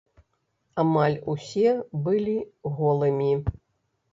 Амаль усе былі голымі.